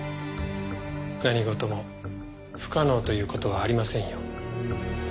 何事も不可能という事はありませんよ。